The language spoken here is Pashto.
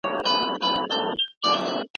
موږ باید خپله علمي خپلواکي وساتو.